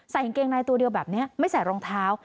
กางเกงในตัวเดียวแบบนี้ไม่ใส่รองเท้า